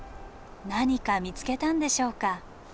何か見つけたんでしょうか。